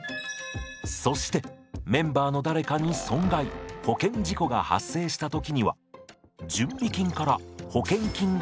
そしてメンバーの誰かに損害保険事故が発生した時には準備金から保険金が支払われます。